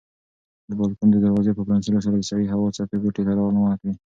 د بالکن د دروازې په پرانیستلو سره د سړې هوا څپې کوټې ته راننوتلې.